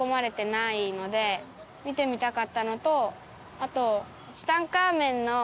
あと。